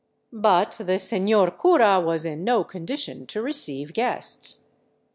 But the seiior cura was in no condition to receive guests.